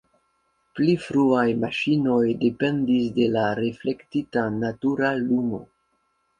Pli fruaj maŝinoj dependis de la reflektita natura lumo.